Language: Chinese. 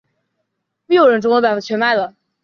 根本是给男人做的